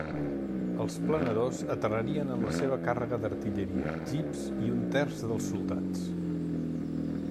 Els planadors aterrarien amb la seva càrrega d'artilleria, jeeps i un terç dels soldats.